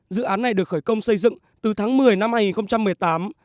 dự án này được khởi công xây dựng từ tháng một mươi năm hai nghìn một mươi tám